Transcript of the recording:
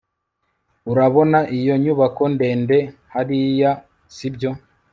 Urabona iyo nyubako ndende hariya sibyo